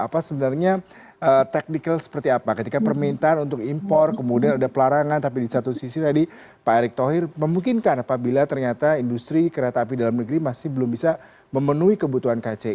apa sebenarnya teknikal seperti apa ketika permintaan untuk impor kemudian ada pelarangan tapi di satu sisi tadi pak erick thohir memungkinkan apabila ternyata industri kereta api dalam negeri masih belum bisa memenuhi kebutuhan kci